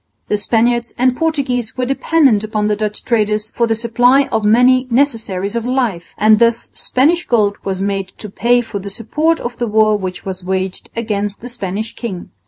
The Spaniards and Portuguese were dependent upon the Dutch traders for the supply of many necessaries of life; and thus Spanish gold was made to pay for the support of the war which was waged against the Spanish king.